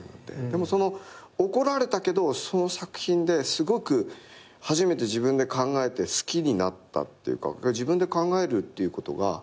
でも怒られたけどその作品ですごく初めて自分で考えて好きになったっていうか自分で考えるっていうことが。